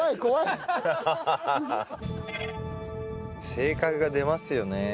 性格が出ますよね。